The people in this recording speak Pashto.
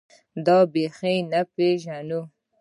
دا بېخي نه پېژنو.